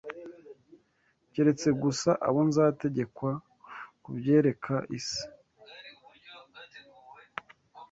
keretse gusa abo nzategekwa kubyereka isi